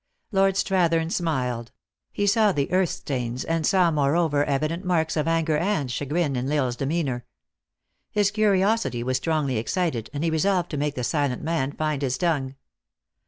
Lord Strathern smiled; he saw the earth stains, and saw, moreover, evident marks of anger and chagrin in L Isle s demeanor. His curiosity was strongly excited, and he resolved to make the silent man find his tongue.